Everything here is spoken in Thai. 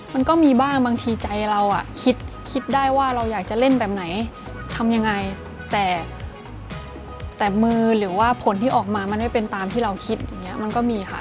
มันก็มีบ้างบางทีใจเราอ่ะคิดคิดได้ว่าเราอยากจะเล่นแบบไหนทำยังไงแต่มือหรือว่าผลที่ออกมามันไม่เป็นตามที่เราคิดอย่างนี้มันก็มีค่ะ